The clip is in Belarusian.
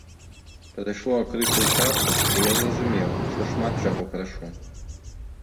Прайшло крыху часу, і я зразумеў, што шмат чаго прашу.